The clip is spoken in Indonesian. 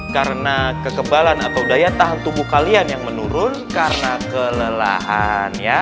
karena kekebalan atau daya tahan tubuh kalian yang menurun karena kelelahan